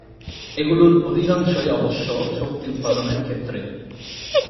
এগুলোর অধিকাংশই অবশ্য শক্তি উৎপাদনের ক্ষেত্রে।